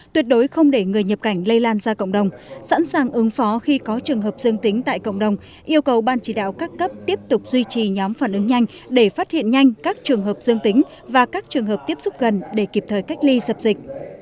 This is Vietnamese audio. tuyệt đối không để người nhập cảnh lây lan ra cộng đồng sẵn sàng ứng phó khi có trường hợp dương tính tại cộng đồng yêu cầu ban chỉ đạo các cấp tiếp tục duy trì nhóm phản ứng nhanh để phát hiện nhanh các trường hợp dương tính và các trường hợp tiếp xúc gần để kịp thời cách ly dập dịch